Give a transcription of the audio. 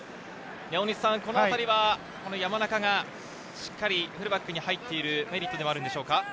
このあたりは山中が、しっかりフルバックに入っているメリットでもあるんでしょうか？